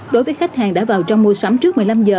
đối với khách hàng đã vào trong mua sắm trước một mươi năm giờ